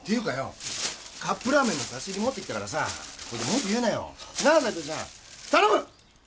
カップラーメンの差し入れ持ってきたから文句言うなよ頼む！